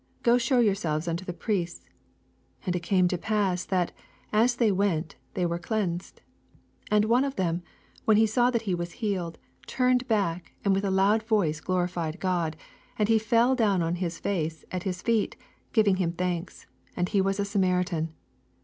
Go shew yourselves unto the Priests. And it came to pass, that, AS they went, they were cleansed. 15 And one of them, when he saw that he was healed, turned back, and with a loud voice glorified God, 16 And fell down on Tiia face at his feet, giving him thanks : and he was a Samaritan.